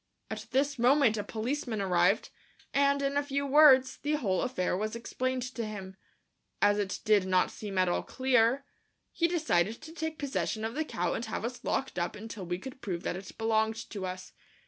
At this moment a policeman arrived, and, in a few words, the whole affair was explained to him. As it did not seem at all clear, he decided to take possession of the cow and have us locked up until we could prove that it belonged to us.